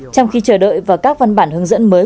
trong khi chờ đợi vào các văn bản hướng dẫn mới